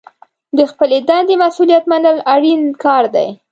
د خپلې دندې مسوولیت منل اړین کار دی.